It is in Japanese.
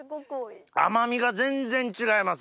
甘みが全然違います。